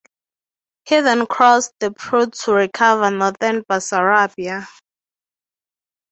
He then crossed the Prut to recover northern Bessarabia.